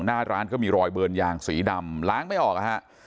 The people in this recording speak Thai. หน้าร้านก็มีรอยเบิร์นยางสีดำล้างไม่ออกนะฮะ